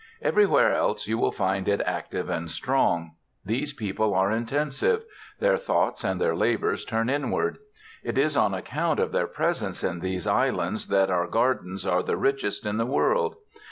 Everywhere else you will find it active and strong. These people are intensive; their thoughts and their labors turn inward. It is on account of their presence in these islands that our gardens are the richest in the world.